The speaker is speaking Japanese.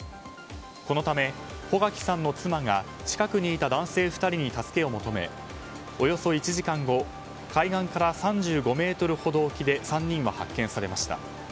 このため、穂垣さんの妻が近くにいた男性２人に助けを求め、およそ１時間後海岸から３５ｍほど沖で３人は発見されました。